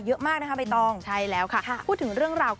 เยอะมากนะคะใบตองพูดถึงเรื่องราว